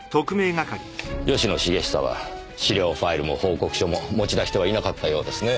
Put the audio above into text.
吉野茂久は資料ファイルも報告書も持ち出してはいなかったようですね。